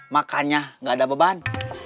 makannya nggak ada beban